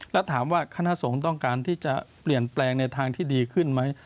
แล้วถามว่าคณะสงฆ์ต้องการที่จะเปลี่ยนแปลงในทางที่ดีขึ้นไหม